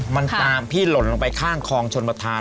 มันตามพี่หล่นลงไปข้างคลองชนประธาน